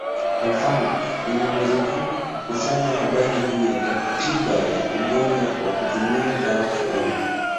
Kwa mfano, inawezekana kukusanya habari juu ya tiba ya ugonjwa kwa kutumia dawa fulani.